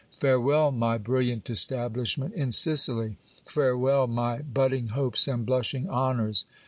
Farewell my trilliant establishment in Sicily! Farewell my budding hopes and blushing honours